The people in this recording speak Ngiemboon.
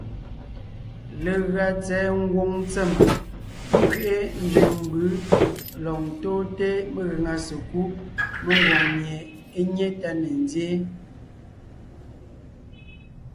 Legʉa tsɛ̀ɛ ngwòŋ ntsèm nkẅiʼi nzẅìŋ mbǔ lɔg ntóonte megàŋa sekúd mengwòŋ mie é nyé tá ne nzyéen;